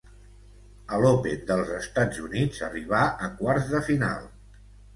A l'Open dels Estats Units arribà a quarts de final.